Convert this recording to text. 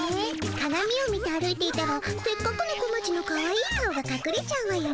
かがみを見て歩いていたらせっかくのこまちのかわいい顔がかくれちゃうわよね。